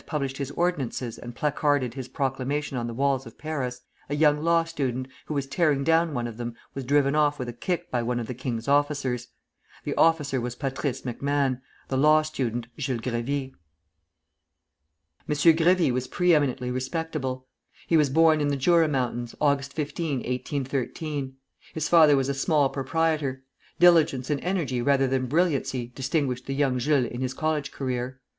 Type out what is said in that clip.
published his ordinances and placarded his proclamation on the walls of Paris, a young law student, who was tearing down one of them, was driven off with a kick by one of the king's officers. The officer was Patrice MacMahon; the law student Jules Grévy. M. Grévy was pre eminently respectable. He was born in the Jura mountains, Aug. 15, 1813. His father was a small proprietor. Diligence and energy rather than brilliancy distinguished the young Jules in his college career.